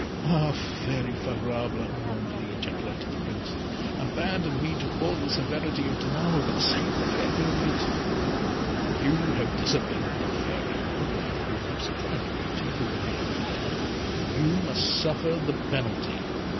"Ah, Fairy Favourable," mournfully ejaculated the Prince, "abandon me to all the severity of Danamo, but save the fair Irolite!" "You have disobeyed the Fairy," replied a youth of surprising beauty, who appeared in the air. "You must suffer the penalty.